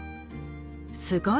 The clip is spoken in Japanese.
すごい！